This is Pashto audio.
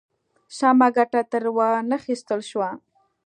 سمه ګټه ترې وا نخیستل شوه.